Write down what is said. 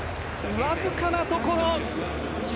わずかなところ。